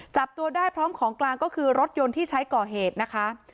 จับตัวได้พร้อมของกลางก็คือรถยนต์ที่ใช้ก่อเหตุนะคะ